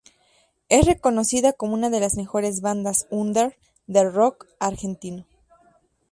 Es conocida como una de las mejores bandas "under" de "rock" argentino.